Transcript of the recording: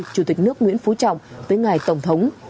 chủ tịch nước nguyễn phú trọng tới ngài tổng thống